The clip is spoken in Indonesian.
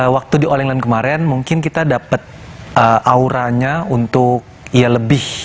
waktu di all england kemarin mungkin kita dapat auranya untuk ya lebih